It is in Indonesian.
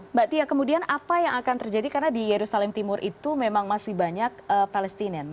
mbak tia kemudian apa yang akan terjadi karena di yerusalem timur itu memang masih banyak palestina